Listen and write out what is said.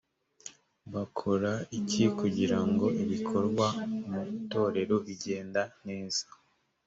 bakora iki kugira ngo ibikorerwa mu itorero bigende neza?